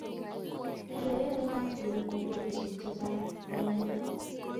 Kiayaye kasit ni eng kenyisiek chechang kongete